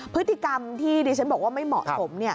พฤติกรรมที่ดิฉันบอกว่าไม่เหมาะสม